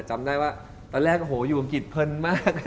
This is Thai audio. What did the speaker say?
จำได้ว่าตอนแรกโอ้โหอยู่อังกฤษเพลินมาก